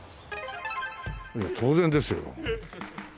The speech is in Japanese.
いや当然ですよ。